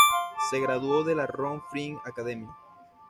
Se graduó de la "Rome Free Academy".